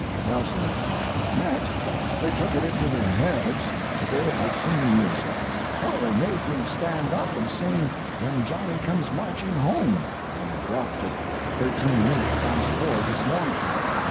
Well, sir, next they took it into their heads that they would like some music; so they made me stand up and sing "When Johnny Comes Marching Home" till I dropped at thirteen minutes past four this morning.